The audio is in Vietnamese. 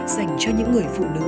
dành cho những người phụ nữ